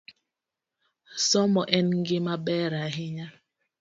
Somo en gima ber ahinya.